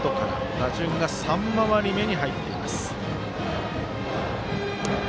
打順が３回り目に入っています。